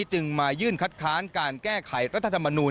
จึงมายื่นคัดค้านการแก้ไขรัฐธรรมนูล